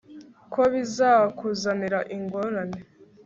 ko bizakuzanira ingorane